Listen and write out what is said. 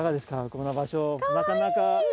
この場所なかなか。